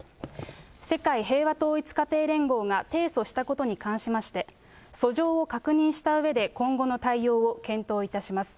世界平和統一家庭連合が提訴したことに関しまして、訴状を確認したうえで、今後の対応を検討いたします。